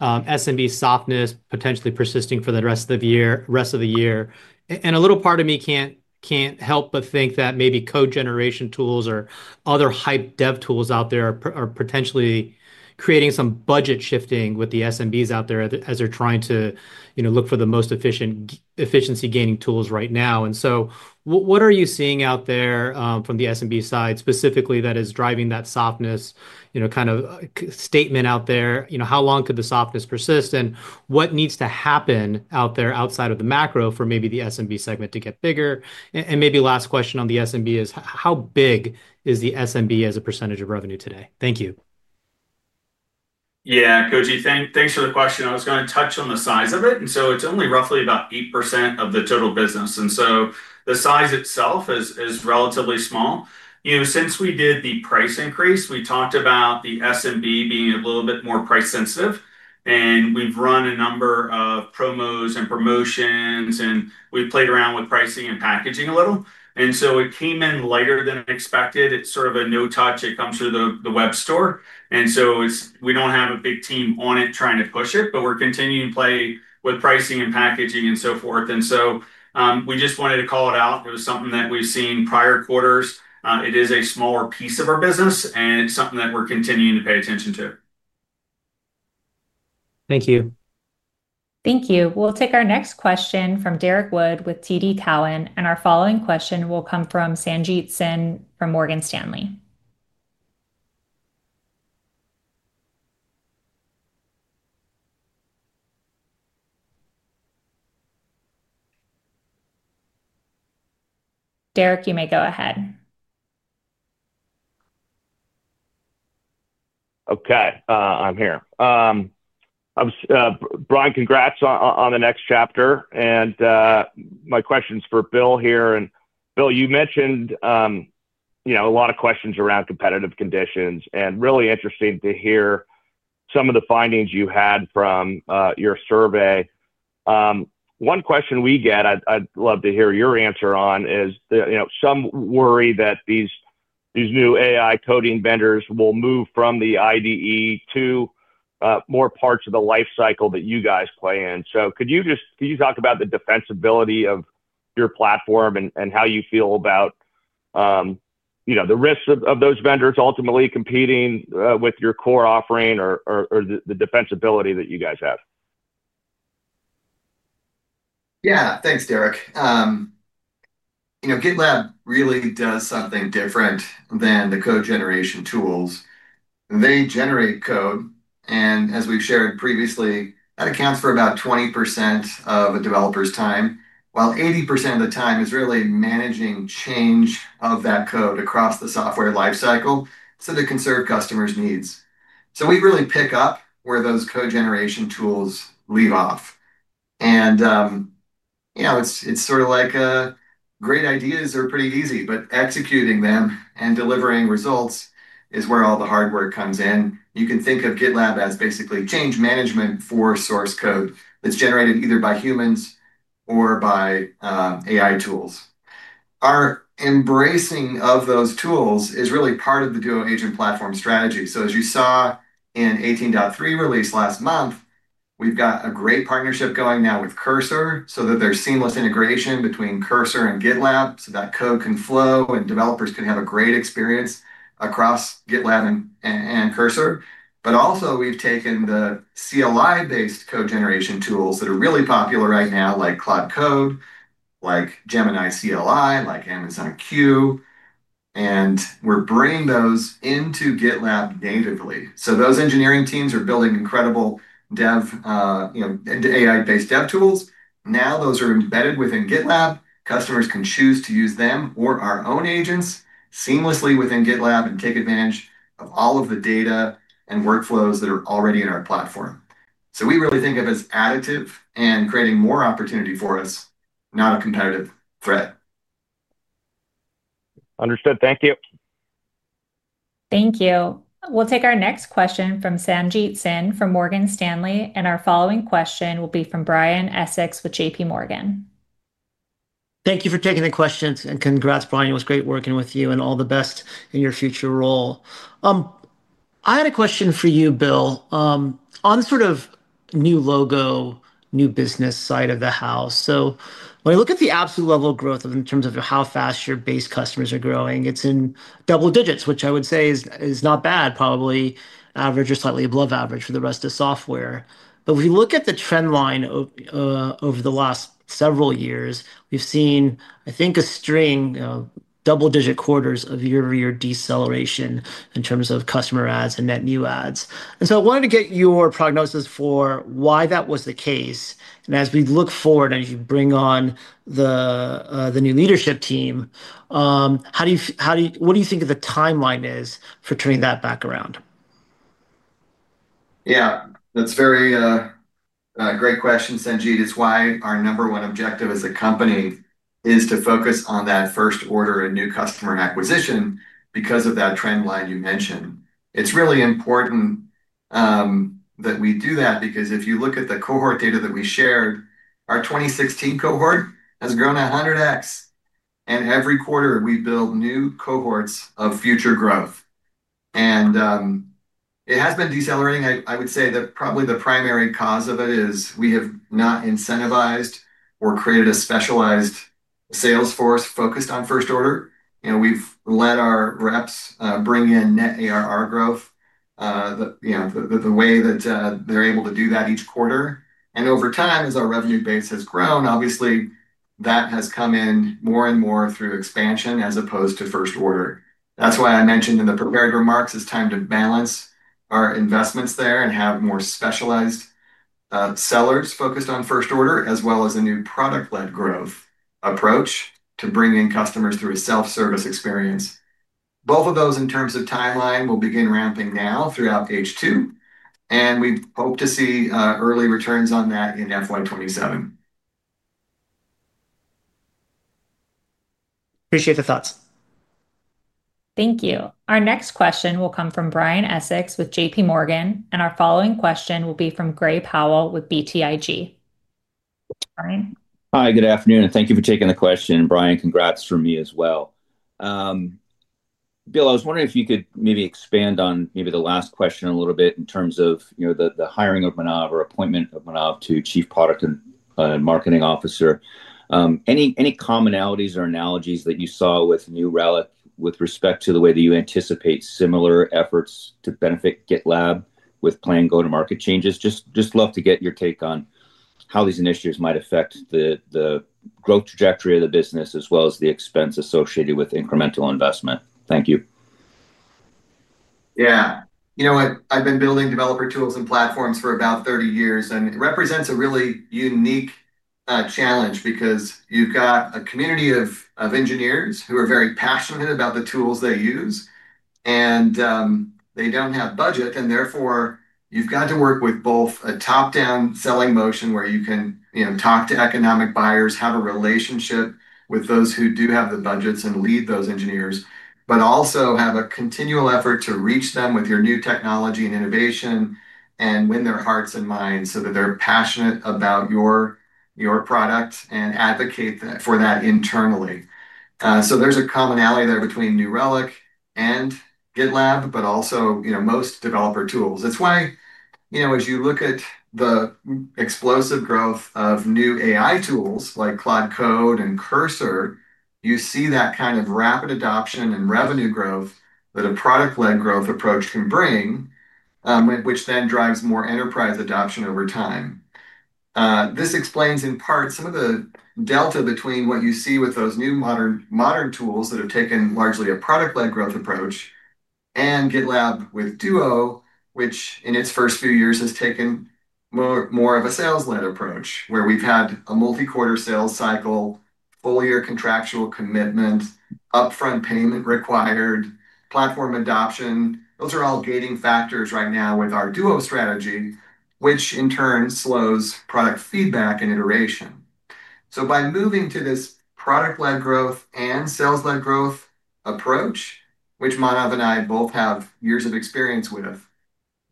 SMB softness potentially persisting for the rest of the year rest of the year. And a little part of me can't can't help but think that maybe cogeneration tools or other hype dev tools out there are are potentially creating some budget shifting with the SMBs out there as they're trying to, you know, look for the most efficient efficiency gaining tools right now. And so what are you seeing out there from the SMB side specifically that is driving that softness kind of statement out there? How long could the softness persist? And what needs to happen out there outside of the macro for maybe the SMB segment to get bigger? And maybe last question on the SMB is how big is the SMB as a percentage of revenue today? Thank you. Yeah. Koji, thank thanks for the question. I was gonna touch on the size of it. And so it's only roughly about 8% of the total business. And so the size itself is is relatively small. You know, since we did the price increase, we talked about the SMB being a little bit more price sensitive. And we've run a number of promos and promotions, and we've played around with pricing and packaging a little. And so it came in lighter than expected. It's sort of a no touch. It comes through the the web store. And so it's we don't have a big team on it trying to push it, but we're continuing to play with pricing and packaging and so forth. And so, we just wanted to call it out. It was something that we've seen prior quarters. It is a smaller piece of our business, and it's something that we're continuing to pay attention to. Thank you. Thank you. We'll take our next question from Derrick Wood with TD Cowen, and our following question will come from Sanjit Singh from Morgan Stanley. Derek, you may go ahead. Okay. I'm here. I was, Brian, congrats on the next chapter. And, my question's for Bill here. And, Bill, you mentioned, you know, a lot of questions around competitive conditions. And really interesting to hear some of the findings you had from your survey. One question we get, I'd I'd love to hear your answer on, is the you know, some worry that these these new AI coding vendors will move from the IDE to more parts of the life cycle that you guys play in. So could you just can you talk about the defensibility of your platform and and how you feel about, you know, the risks of of those vendors ultimately competing with your core offering or or or the the defensibility that you guys have? Yeah. Thanks, Derek. You know, GitLab really does something different than the code generation tools. They generate code. And as we've shared previously, that accounts for about 20 of a developer's time, while 80% of the time is really managing change of that code across the software life cycle so they can serve customers' needs. So we really pick up where those cogeneration tools leave off. And, you know, it's it's sort of like a great ideas are pretty easy, but executing them and delivering results is where all the hard work comes in. You can think of GitLab as basically change management for source code that's generated either by humans or by, AI tools. Our embracing of those tools is really part of the Duo agent platform strategy. So as you saw in 18 dot three release last month, we've got a great partnership going now with Cursor so that there's seamless integration between Cursor and GitLab so that code can flow and developers can have a great experience across GitLab and and and Cursor. But, also, we've taken the CLI based code generation tools that are really popular right now, like Cloud Code, like Gemini CLI, like Amazon Q, and we're bringing those into GitLab natively. So those engineering teams are building incredible dev, you know, the AI based dev tools. Now those are embedded within GitLab. Customers can choose to use them or our own agents seamlessly within GitLab and take advantage of all of the data and workflows that are already in our platform. So we really think of it as additive and creating more opportunity for us, not a competitive threat. Understood. Thank you. Thank you. We'll take our next question from Sanjit Singh from Morgan Stanley, and our following question will be from Brian Essex with JPMorgan. Thank you for taking the questions, and congrats, Brian. It was great working with you, and all the best in your future role. I had a question for you, Bill, on sort of new logo, new business side of the house. So when I look at the absolute level of growth in terms of how fast your base customers are growing, it's in double digits, which I would say is is not bad, probably average or slightly above average for the rest of software. But if you look at the trend line of, over the last several years. We've seen, I think, a string of double digit quarters of year over year deceleration in terms of customer ads and net new ads. And so I wanted to get your prognosis for why that was the case. And as we look forward and as you bring on the, the new leadership team, how do you how do you what do you think of the timeline is for turning that back around? Yeah. That's very, great question, Sanjit. It's why our number one objective as a company is to focus on that first order and new customer acquisition because of that trend line you mentioned. It's really important, that we do that because if you look at the cohort data that we shared, our twenty sixteen cohort has grown at 100x. And every quarter, we build new cohorts of future growth. And, it has been decelerating. I I would say that probably the primary cause of it is we have not incentivized or created a specialized Salesforce focused on first order. And we've let our reps, bring in net ARR growth, you know, the the the way that, they're able to do that each quarter. And over time, as our revenue base has grown, obviously, that has come in more and more through expansion as opposed to first order. That's why I mentioned in the prepared remarks, it's time to balance our investments there and have more specialized sellers focused on first order as well as a new product led growth approach to bringing customers through a self-service experience. Both of those in terms of timeline will begin ramping now throughout H2 and we hope to see early returns on that in FY twenty twenty seven. Appreciate the thoughts. Thank you. Our next question will come from Brian Essex with JPMorgan. And our following question will be from Gray Powell with BTIG. Brian? Hi. Good afternoon. Thank you for taking the question. Brian, congrats from me as well. Bill, I was wondering if you could maybe expand on maybe the last question a little bit in terms of, you know, the the hiring of Manav or appointment of Manav to chief product and marketing officer. Any any commonalities or analogies that you saw with New Relic with respect to the way that you anticipate similar efforts to benefit GitLab with planned go to market changes? Just just love to get your take on how these initiatives might affect the the growth trajectory of the business as well as the expense associated with incremental investment. Thank you. Yeah. You know what? I've been building developer tools and platforms for about thirty years, and it represents a really unique challenge because you've got a community of of engineers who are very passionate about the tools they use. And, they don't have budget, and therefore, you've got to work with both a top down selling motion where you can, you know, talk to economic buyers, have a relationship with those who do have the budgets and lead those engineers, but also have a continual effort to reach them with your new technology and innovation and win their hearts and minds so that they're passionate about your your product and advocate for that internally. So there's a commonality there between New Relic and GitLab, but also, you know, most developer tools. That's why, you know, as you look at the explosive growth of new AI tools like Cloud Code and Cursor, you see that kind of rapid adoption and revenue growth that a product led growth approach can bring, which then drives more enterprise adoption over time. This explains in part some of the delta between what you see with those new modern modern tools that have taken largely a product led growth approach and GitLab with Duo, which in its first few years has taken more more of a sales led approach where we've had a multi quarter sales cycle, full year contractual commitment, upfront payment required, platform adoption. Those are all gating factors right now with our Duo strategy, which in turn slows product feedback and iteration. So by moving to this product led growth and sales led growth approach, which Manav and I both have years of experience with,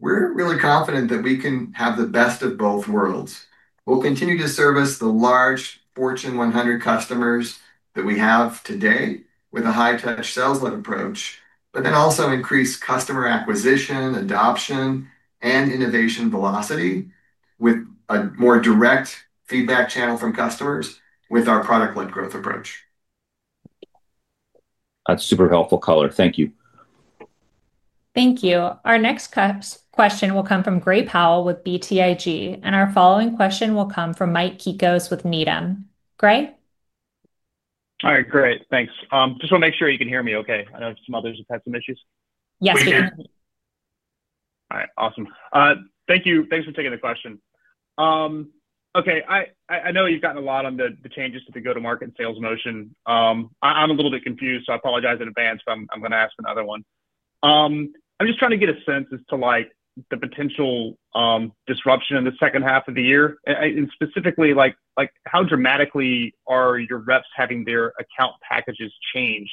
we're really confident that we can have the best of both worlds. We'll continue to service the large Fortune 100 customers that we have today with a high touch sales led approach, but then also increase customer acquisition, adoption, and innovation velocity with a more direct feedback channel from customers with our product led growth approach. That's super helpful color. Thank you. Thank you. Our next question will come from Gray Powell with BTIG, and our following question will come from Mike Kikos with Needham. Gray? Alright. Great. Thanks. Just wanna make sure you can hear me okay. I know some others have had some issues. Yes. We can. Alright. Awesome. Thank you. Thanks for taking the question. Okay. I I I know you've gotten a lot on the the changes to the go to market sales motion. I'm a little bit confused, so I apologize in advance. I'm I'm gonna ask another one. I'm just trying to get a sense as to, like, the potential disruption in the second half of the year. And, specifically, like like, how dramatically are your reps having their account packages changed?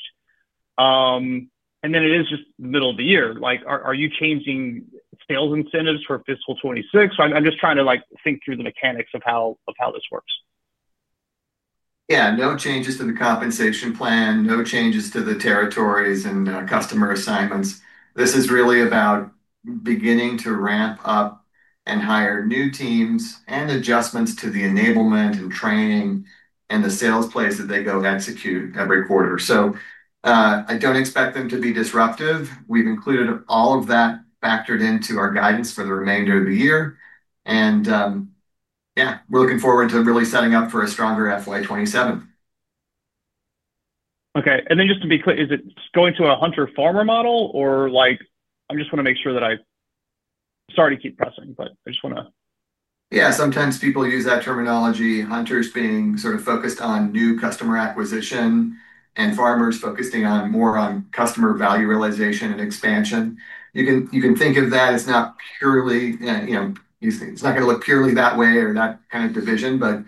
And then it is just middle of the year. Like, are are you changing sales incentives for fiscal twenty six? I'm I'm just trying to, like, think through the mechanics of how of how this works. Yeah. No changes to the compensation plan. No changes to the territories and, customer assignments. This is really about beginning to ramp up and hire new teams and adjustments to the enablement and training and the sales place that they go execute every quarter. So, I don't expect them to be disruptive. We've included all of that factored into our guidance for the remainder of the year. And, yeah, we're looking forward to really setting up for a stronger f y '27. Okay. And then just to be clear, is it going to a hunter farmer model or, I just wanna make sure that I sorry to keep pressing, but I just wanna Yeah. Sometimes people use that terminology, hunters being sort of focused on new customer acquisition and farmers focusing on more on customer value realization and expansion. You can you can think of that as not purely, you know, it's not gonna look purely that way or that kind of division, but,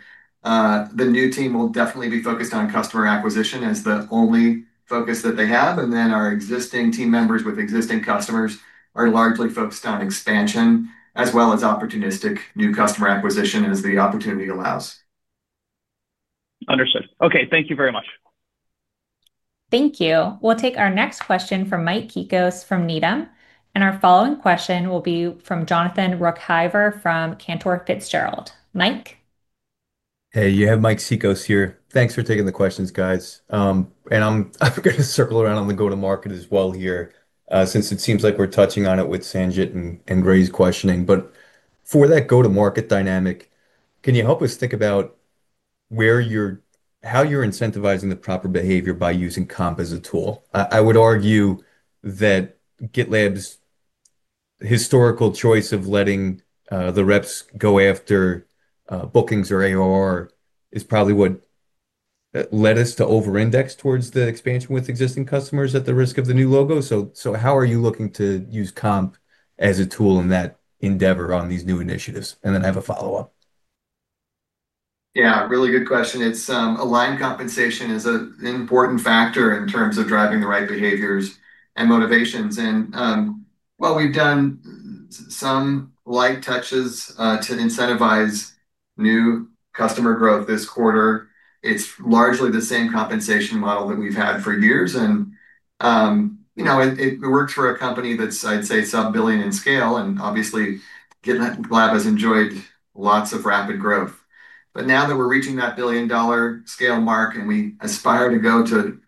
the new team will definitely be focused on customer acquisition as the only focus that they have. And then our existing team members with existing customers are largely focused on expansion as well as opportunistic new customer acquisition as the opportunity allows. Understood. Okay. Thank you very much. Thank you. We'll take our next question from Mike Kikos from Needham. And our following question will be from Jonathan Rookhiver from Cantor Fitzgerald. Mike? Hey. You have Mike Kikos here. Thanks for taking the questions, guys. And I'm I forgot to circle around on the go to market as well here since it seems like we're touching on it with Sanjit and and Ray's questioning. But for that go to market dynamic, can you help us think about where you're how you're incentivizing the proper behavior by using comp as a tool? I I would argue that GitLab's historical choice of letting, the reps go after, bookings or ARR is probably what led us to over index towards the expansion with existing customers at the risk of the new logo. So so how are you looking to use comp as a tool in that endeavor on these new initiatives? And then I have a follow-up. Yeah. Really good question. It's, aligned compensation is an important factor in terms of driving the right behaviors and motivations. And, well, we've done some light touches, to incentivize new customer growth this quarter. It's largely the same compensation model that we've had for years. And, you know, it it works for a company that's, I'd say, sub billion in scale and, obviously, given that lab has enjoyed lots of rapid growth. But now that we're reaching that billion dollar scale mark and we aspire to go to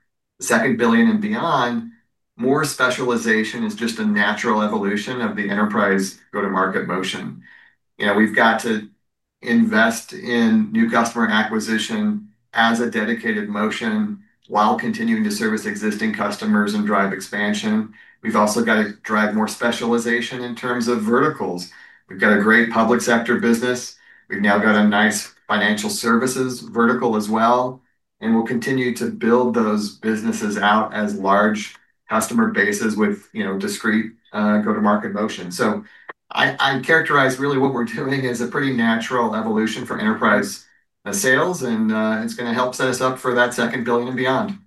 second billion and beyond, more specialization is just a natural evolution of the enterprise go to market motion. You know, we've got to invest in new customer acquisition as a dedicated motion while continuing to service existing customers and drive expansion. We've also got to drive more specialization in terms of verticals. We've got a great public sector business. We've now got a nice financial services vertical as well and we'll continue to build those businesses out as large customer bases with, you know, discrete, go to market motion. So I I'd characterize really what we're doing is a pretty natural evolution for enterprise sales, and, it's going to help set us up for that second billing and beyond.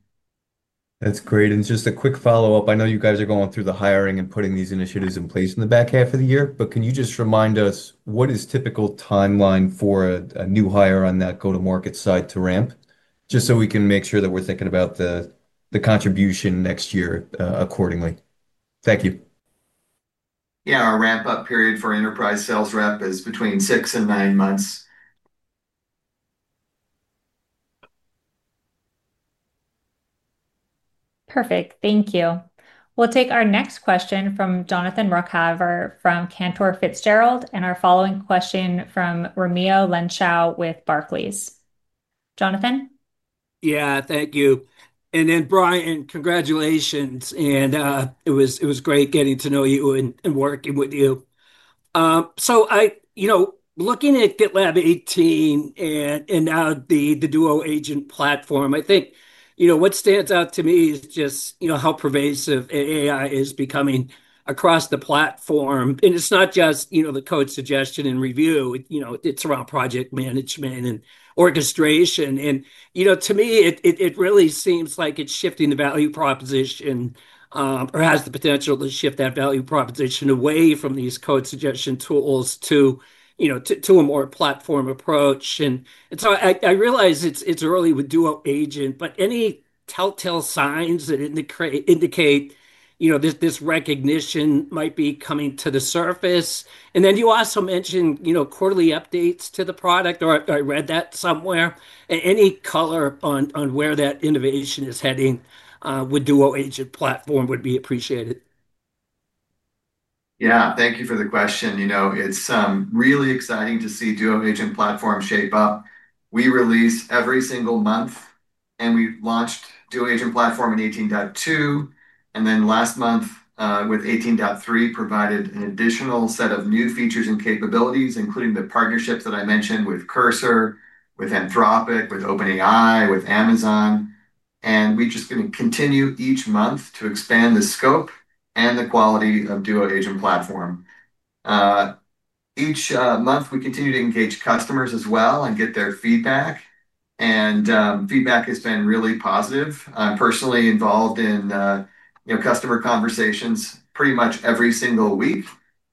That's great. And just a quick follow-up. I know you guys are going through the hiring and putting these initiatives in place in the back half of the year. But can you just remind us what is typical timeline for a new hire on that go to market side to ramp, just so we can make sure that we're thinking about the contribution next year accordingly? Thank you. Yes. Our ramp up period for enterprise sales rep is between six and nine months. Perfect. Thank you. We'll take our next question from Jonathan Rockhaver from Cantor Fitzgerald and our following question from Romeo Lanschow with Barclays. Jonathan? Yeah. Thank you. And then, Brian, congratulations. And, it was it was great getting to know you and and working with you. So I you know, looking at GitLab 18 and and now the the Duo agent platform, I think, you know, what stands out to me is just, you know, how pervasive AI is becoming across the platform. And it's not just, you know, the code suggestion and review. You know, it's around project management and orchestration. And, you know, to me, it it it really seems like it's shifting the value proposition, or has the potential to shift that value proposition away from these code suggestion tools to, you know, to to a more platform approach. And and so I I realize it's it's early with DuoAgent, but any telltale signs that indicate, you know, this this recognition might be coming to the surface? And then you also mentioned, you know, quarterly updates to the product, or I I read that somewhere. Any color on on where that innovation is heading, with Duo Agent platform would be appreciated. Yeah. Thank you for the question. You know, it's, really exciting to see Duo Agent platform shape up. We release every single month, and we launched Duo Agent platform in eighteen dot two. And then last month, with eighteen dot three, provided an additional set of new features and capabilities, including the partnerships that I mentioned with Cursor, with Anthropic, with OpenAI, with Amazon. And we're just gonna continue each month to expand the scope and the quality of Duo Agent platform. Each month, we continue to engage customers as well and get their feedback. And, feedback has been really positive. I'm personally involved in, you know, customer conversations pretty much every single week,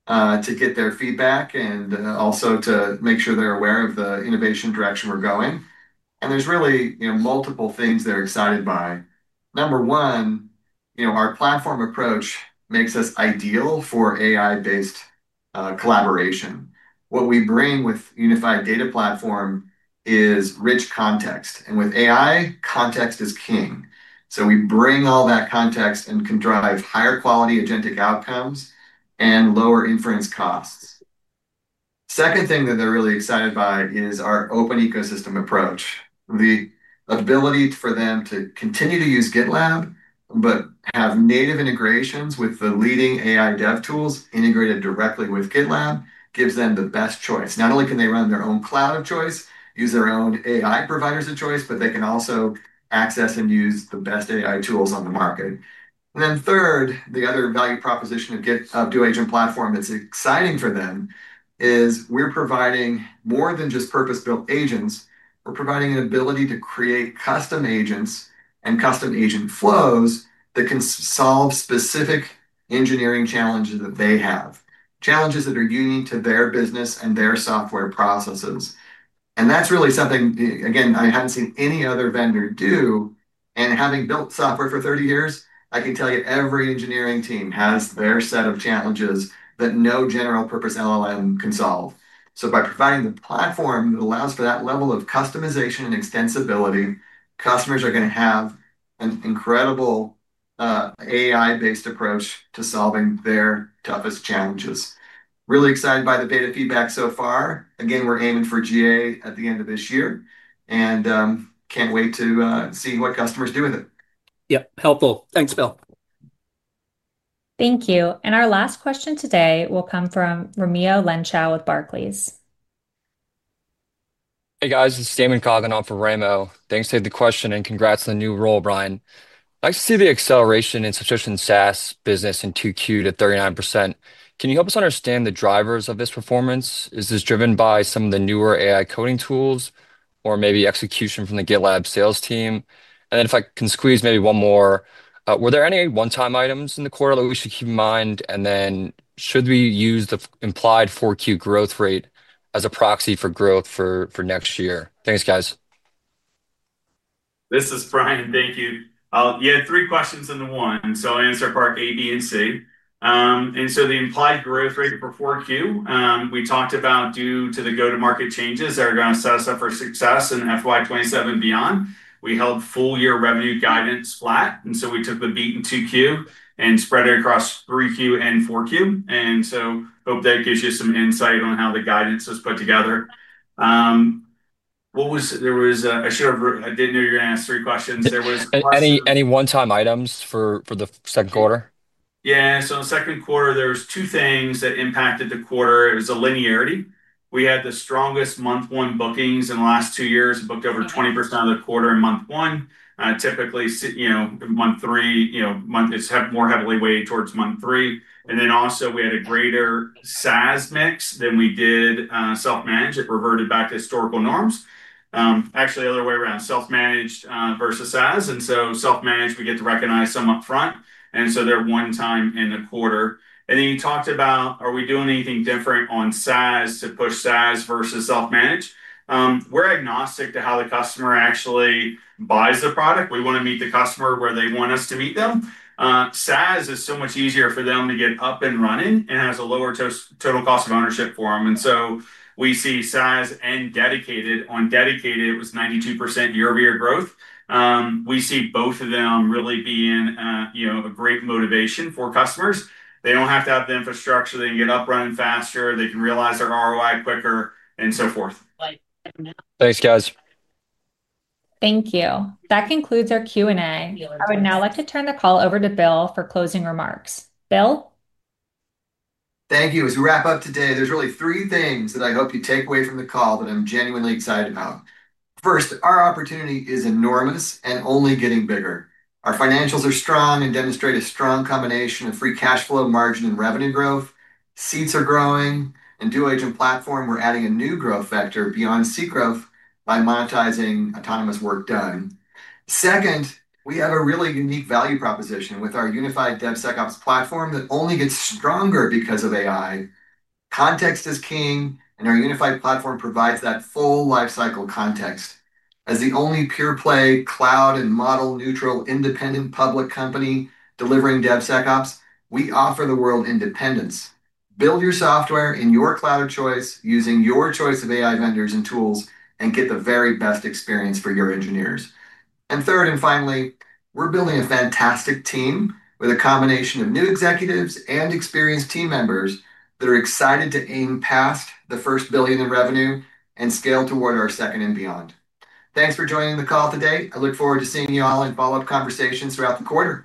to get their feedback and also to make sure they're aware of the innovation direction we're going. And there's really, you know, multiple things they're excited by. Number one, you know, our platform approach makes us ideal for AI based, collaboration. What we bring with unified data platform is rich context. And with AI, context is king. So we bring all that context and can drive higher quality agentic outcomes and lower inference costs. Second thing that they're really excited by is our open ecosystem approach. The ability for them to continue to use GitLab but have native integrations with the leading AI dev tools integrated directly with GitLab gives them the best choice. Not only can they run their own cloud of choice, use their own AI providers of choice, but they can also access and use the best AI tools on the market. And then third, the other value proposition of Git of DuoAgent platform that's exciting for them is we're providing more than just purpose built agents. We're providing an ability to create custom agents and custom agent flows that can solve specific engineering challenges that they have, challenges that are unique to their business and their software processes. And that's really something, again, I haven't seen any other vendor do. And having built software for thirty years, I can tell you every engineering team has their set of challenges that no general purpose LLM can solve. So by providing the platform that allows for that level of customization and extensibility, customers are gonna have an incredible, AI based approach to solving their toughest challenges. Really excited by the data feedback so far. Again, we're aiming for GA at the end of this year, and, can't wait to, see what customers do with it. Yep. Helpful. Thanks, Bill. Thank you. And our last question today will come from Ramio Lenschow with Barclays. Hey, guys. This is Damon Coggin on for Raimo. Thanks for taking the question, and congrats on the new role, Brian. I see the acceleration in subscription SaaS business in two q to 39%. Can you help us understand the drivers of this performance? Is this driven by some of the newer AI coding tools or maybe execution from the GitLab sales team? And then if I can squeeze maybe one more. Were there any onetime items in the quarter that we should keep in mind? And then should we use the implied April growth rate as a proxy for growth for for next year? Thanks, guys. This is Brian. Thank you. I'll yeah. Three questions into one, and so I'll answer part a, and c. And so the implied growth rate for April, we talked about due to the go to market changes that are gonna set us up for success in f y twenty seven and beyond. We held full year revenue guidance flat, and so we took a beat in '2 q and spread it across three q and four q. And so hope that gives you some insight on how the guidance was put together. What was there was a I should've I didn't know you're gonna answer three questions. There was Any any onetime items for for the second quarter? Yeah. So in the second quarter, there's two things that impacted the quarter. It was a linearity. We had the strongest month one bookings in the last two years, booked over 20% of the quarter in month one. Typically, you know, month three you know, month is have more heavily weighted towards month three. And then also, we had a greater SaaS mix than we did, self managed. It reverted back to historical norms. Actually, other way around, self managed, versus SaaS. And so self managed, we get to recognize some upfront, and so they're one time in the quarter. And then you talked about, are we doing anything different on SaaS to push SaaS versus self manage? We're agnostic to how the customer actually buys the product. We wanna meet the customer where they want us to meet them. SaaS is so much easier for them to get up and running and has a lower toast total cost of ownership for them. And so we see SaaS and dedicated. On dedicated, it was 92% year over year growth. We see both of them really being, you know, a great motivation for customers. They don't have to have the infrastructure. They can get up running faster. They can realize their ROI quicker and so forth. Thanks, guys. Thank you. That concludes our q and a. I would now like to turn the call over to Bill for closing remarks. Bill? Thank you. As we wrap up today, there's really three things that I hope you take away from the call that I'm genuinely excited about. First, our opportunity is enormous and only getting bigger. Our financials are strong and demonstrate a strong combination of free cash flow margin and revenue growth. Seats are growing. In dual agent platform, we're adding a new growth factor beyond seat growth by monetizing autonomous work done. Second, we have a really unique value proposition with our unified dev sec ops platform that only gets stronger because of AI. Context is king, and our unified platform provides that full life cycle context As the only pure play cloud and model neutral independent public company delivering DevSecOps, we offer the world independence. Build your software in your cloud of choice using your choice of AI vendors and tools and get the very best experience for your engineers. And third and finally, we're building a fantastic team with a combination of new executives and experienced team members that are excited to aim past the first billion in revenue and scale toward our second and beyond. Thanks for joining the call today. I look forward to seeing you all in follow-up conversations throughout the quarter.